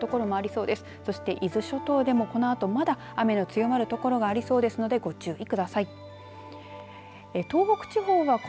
そして伊豆諸島でも、このあとまだ雨の強まる所がありそうですのでご注意ください。